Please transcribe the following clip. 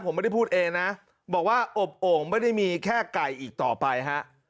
ผมไม่ได้พูดเองนะบอกว่าอบโอ่งไม่ได้มีแค่ไก่อีกต่อไปฮะ